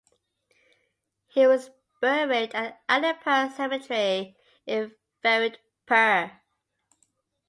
He was buried at Alipur Cemetery in Faridpur.